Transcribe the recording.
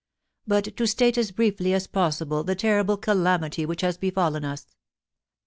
* But to state as briefly as possible the terrible calamity which has befallen us.